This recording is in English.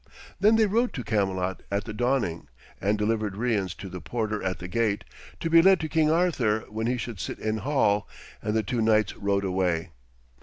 Then they rode to Camelot at the dawning, and delivered Rience to the porter at the gate, to be led to King Arthur when he should sit in hall, and the two knights rode away.